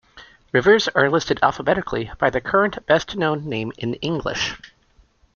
Rivers are listed alphabetically by their current best-known name in English.